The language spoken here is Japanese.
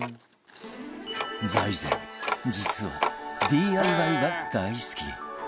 財前実は ＤＩＹ が大好き